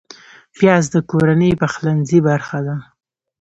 پیاز د کورنۍ پخلنځي برخه ده